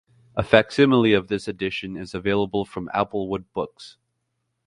A facsimile of this edition is available from Applewood Books.